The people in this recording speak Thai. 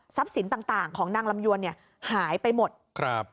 สินต่างต่างของนางลำยวนเนี่ยหายไปหมดครับ